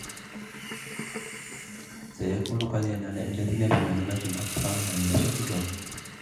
سيكون قادرا على إمدادنا بمعلومات أكثر عن نشأة الكون